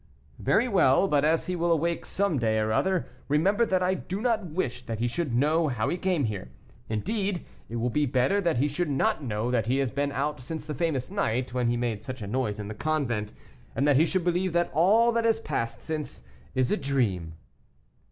"Very well. But as he will awake some day or other, remember that I do not wish that he should know how he came here; indeed, it will be better that he should not know that he has been out since the famous night when he made such a noise in the convent, and that he should believe that all that has passed since is a dream."